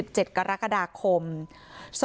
ด้วยเหตุผลอะไรก็แล้วแต่ก็ทำร้ายกันแบบนี้ไม่ได้